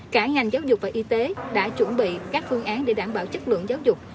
cả ngành giáo dục và y tế đã chuẩn bị các phương án để đảm bảo chất lượng giáo dục